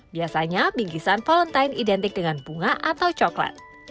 biasanya bingkisan valentine identik dengan bunga atau coklat